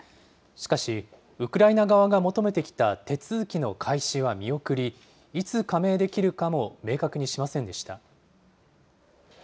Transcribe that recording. しかし、ウクライナ側が求めてきた手続きの開始は見送り、いつ加盟できるかも明確にしませんでした。